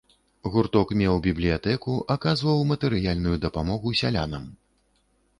Гурток меў бібліятэку, аказваў матэрыяльную дапамогу сялянам.